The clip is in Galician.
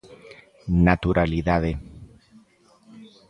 Naturalidade.